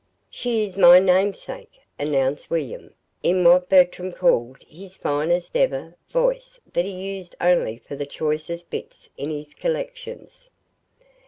"She is my namesake," announced William, in what Bertram called his "finest ever" voice that he used only for the choicest bits in his collections.